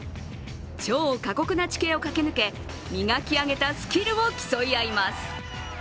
超過酷な地形を駆け抜け、磨き上げたスキルを競い合います。